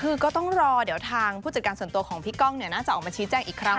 คือก็ต้องรอเดี๋ยวทางผู้จัดการส่วนตัวของพี่ก้องน่าจะออกมาชี้แจ้งอีกครั้ง